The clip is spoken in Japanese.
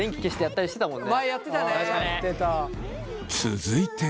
続いて。